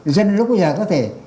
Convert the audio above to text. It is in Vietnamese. dân lúc bây giờ có thể